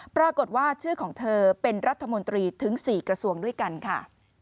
ปรากฏว่าชื่อของเธอเป็นรัฐมนตรีถึง๔กระทรวงด้วยกันค่ะ